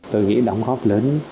tôi nghĩ đóng góp lớn